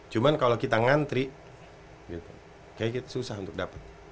cuma kalau kita ngantri kayaknya kita susah untuk dapat